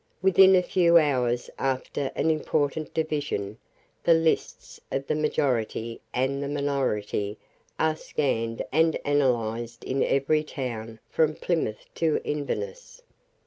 Within a few hours after an important division, the lists of the majority and the minority are scanned and analysed in every town from Plymouth to Inverness.